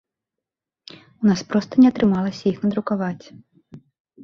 У нас проста не атрымалася іх надрукаваць.